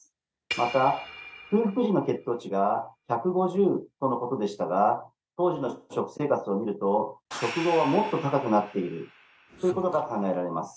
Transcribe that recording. また空腹時の血糖値が１５０とのことでしたが当時の食生活を見ると食後はもっと高くなっているそういうことが考えられます